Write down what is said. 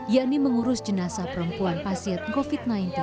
yakni mengurus jenazah perempuan pasien covid sembilan belas